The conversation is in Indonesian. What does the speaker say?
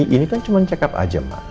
ini kan cuman check up aja mah